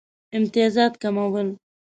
امتیازات کمول.